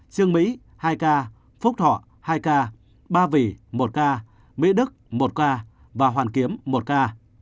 trương mỹ hai ca phúc thọ hai ca ba vì một ca mỹ đức một ca và hoàn kiếm một ca